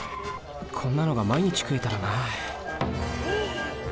こんなのが毎日食えたらな。